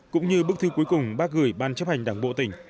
cũng như bức thư cuối cùng bác gửi ban chấp hành đảng bộ tỉnh